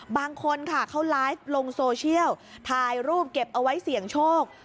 บางคนค่ะเขาไลฟ์ลงโซเชียลถ่ายรูปเก็บเอาไว้เสี่ยงโชค